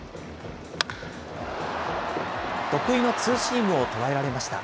得意のツーシームを捉えられました。